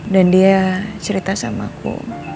dan dia cerita sama aku